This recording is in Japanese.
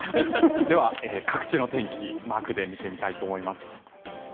では、各地の天気マークで見てみたいと思います。